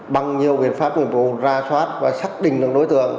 bằng nhiều biện pháp nguyên vụ ra soát và xác định đối tượng